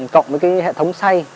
cộng với cái hệ thống xay